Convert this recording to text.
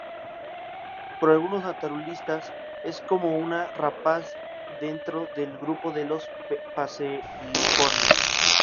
Para algunos naturalistas es como una rapaz dentro del grupo de los paseriformes.